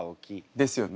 ですよね。